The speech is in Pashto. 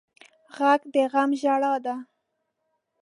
غږ د غم ژړا ده